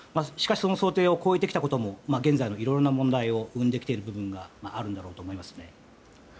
しかし、その想定を超えてきたことも現在のいろいろな問題を生んできている部分があるんだろうと思います。